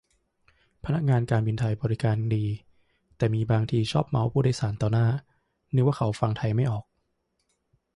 พนักงานการบินไทยบริการดี แต่มีบางทีชอบเมาต์ผู้โดยสารต่อหน้า นึกว่าเขาฟังไทยไม่ออก